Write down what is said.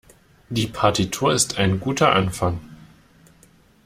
Die Partitur ist ein guter Anfang.